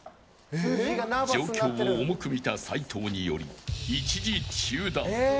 状況を重くみた齊藤により一時中断。